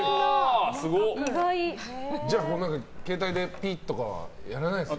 じゃあ、携帯でピッとかはやらないですか。